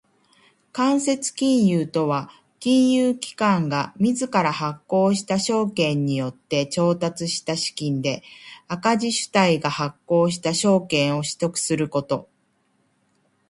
間接金融とは金融機関が自ら発行した証券によって調達した資金で赤字主体が発行した証券を取得すること。